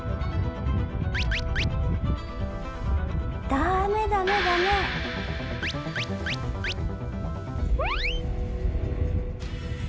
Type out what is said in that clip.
ダメダメダメダメ。